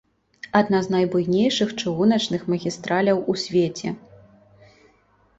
Адна з найбуйнейшых чыгуначных магістраляў у свеце.